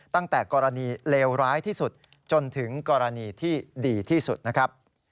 ตั้งแต่กรณีเลวร้ายที่สุดจนถึงกรณีที่ดีที่สุดนะครับ